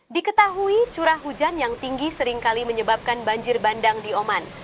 diketahui curah hujan yang tinggi seringkali menyebabkan banjir bandang di oman